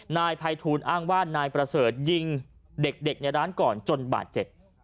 นายภัยทูลอ้างว่านายประเสริฐยิงเด็กในร้านก่อนจนบาดเจ็บ